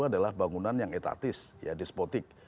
adalah bangunan yang etatis ya despotik